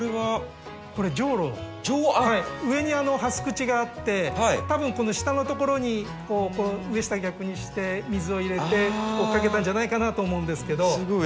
上にハス口があって多分この下のところに上下逆にして水を入れておっかけたんじゃないかなと思うんですけど。